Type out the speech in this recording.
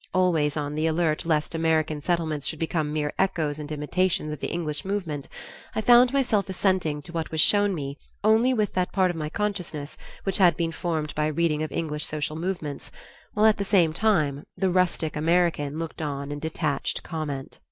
Always on the alert lest American Settlements should become mere echoes and imitations of the English movement, I found myself assenting to what was shown me only with that part of my consciousness which had been formed by reading of English social movements, while at the same time the rustic American looked on in detached comment.